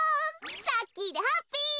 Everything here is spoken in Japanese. ラッキーでハッピー！